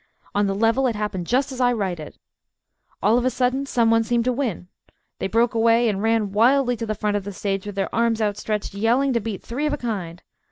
On the level, it happened just as I write it. All of a sudden some one seemed to win. They broke away, and ran wildly to the front of the stage with their arms outstretched, yelling to beat three of a kind.